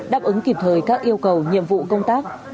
đáp ứng kịp thời các yêu cầu nhiệm vụ công tác